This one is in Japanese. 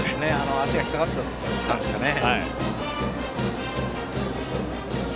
足が引っかかったんですかね。